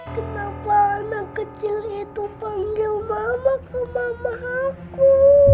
kenapa anak kecil itu panggil mama ke mama aku